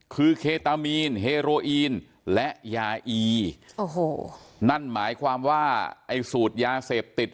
คือเคตามีนเฮโรอีนและยาอีโอ้โหนั่นหมายความว่าไอ้สูตรยาเสพติด